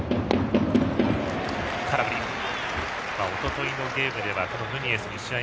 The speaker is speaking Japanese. おとといのゲームではこのヌニエスに試合